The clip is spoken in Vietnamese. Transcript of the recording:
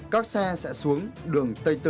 các xe sẽ xuống đường tây tự